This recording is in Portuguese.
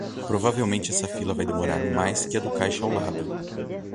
Provavelmente essa fila vai demorar mais que a do caixa ao lado.